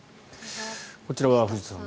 こちらは藤田さん